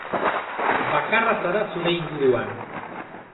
Bakarra zara zure inguruan.